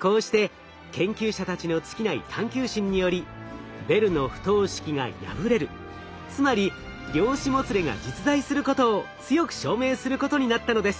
こうして研究者たちの尽きない探究心によりベルの不等式が破れるつまり量子もつれが実在することを強く証明することになったのです。